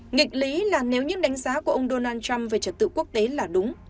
nghịch lý là nếu những đánh giá của ông donald trump về trật tự quốc tế là đúng